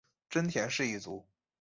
真田氏一族。